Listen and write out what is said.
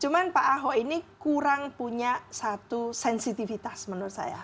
cuma pak ahok ini kurang punya satu sensitivitas menurut saya